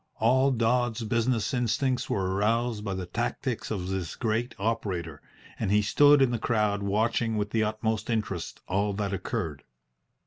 All Dodds's business instincts were aroused by the tactics of this great operator, and he stood in the crowd watching with the utmost interest all that occurred.